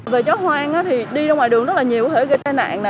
về chó hoang thì đi ra ngoài đường rất là nhiều có thể gây tai nạn